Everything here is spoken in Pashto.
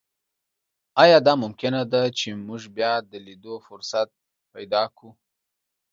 ایا دا ممکنه ده چې موږ بیا د لیدو فرصت پیدا کړو؟